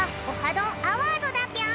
どんアワード」だぴょん！